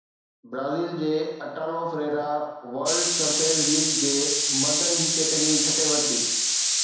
Brazil جي Italo Ferreira World Surfing League جي مردن جي ڪيٽيگري کٽي ورتي